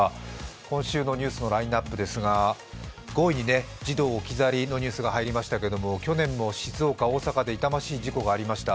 今週のニュースのラインナップですが、５位に児童置き去りのニュースが入りましたが去年も静岡、大阪で痛ましい事故がありました。